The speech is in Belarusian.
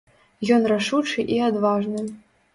Ён рашучы і адважны.